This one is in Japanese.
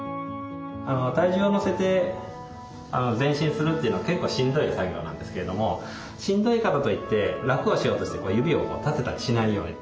体重を乗せて前進するっていうのは結構しんどい作業なんですけれどもしんどいからといって楽をしようとして指を立てたりしないように。